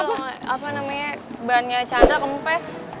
ini loh apa namanya bannya cadra kempes